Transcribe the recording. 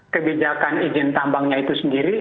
kebijakan izin tambangnya itu sendiri